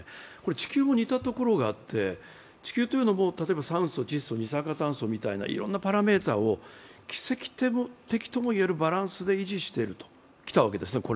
地球も似たところがあって地球というのも、酸素、窒素、二酸化炭素みたいないろんなパロメーターを奇跡的ともいえるバランスでこれまで維持してきたわけです。